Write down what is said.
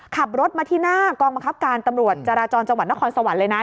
ขับรถมาที่หน้ากองบังคับการตำรวจจราจรจังหวัดนครสวรรค์เลยนะ